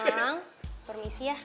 narang permisi ya